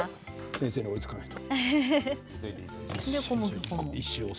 先生に追いつかないと。